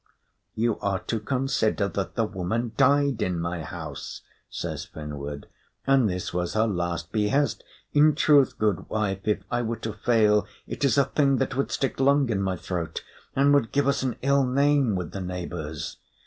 "You are to consider that the woman died in my house," says Finnward, "and this was her last behest. In truth, goodwife, if I were to fail, it is a thing that would stick long in my throat, and would give us an ill name with the neighbours."